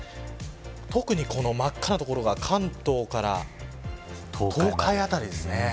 特に真っ赤な所が関東から東海辺りですね。